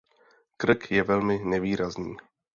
Krk je velmi nevýrazný.